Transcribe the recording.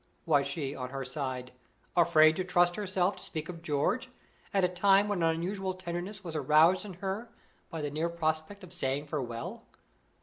Was she, on her side, afraid to trust herself to speak of George at a time when an unusual tenderness was aroused in her by the near prospect of saying farewell?